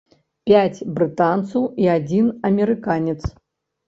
Пяць брытанцаў і адзін амерыканец.